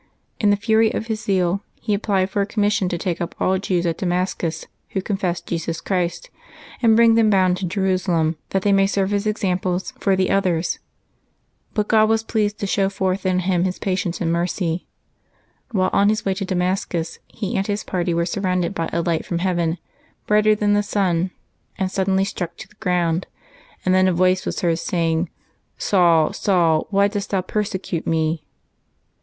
In the fury of his zeal he applied for a commission to take up all Jews at Damascus who confessed Jesus Christ, and bring them bound to Jerusalem, that they might serve as examples for 48 LIVES OF TEE SAINTS [January 25 the others. But God was pleased to show forth in him His patience and mercy. While on his way to Damascus, he and his party were surrounded by a light from heaven, brighter than the sun, and suddenly struck to the ground. And then a voice was heard saying, " Saul, Saul, why dost thou persecute Me